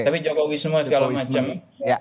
tapi jokowisme segala macam